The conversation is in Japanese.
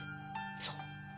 そう。